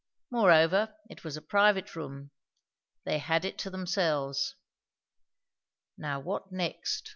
Moreover it was a private room; they had it to themselves. Now what next?